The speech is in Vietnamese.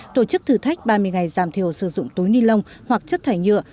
tổ chức thử thách ba mươi ngày giảm thiểu sử dụng túi ni lông hoặc chất thải nhựa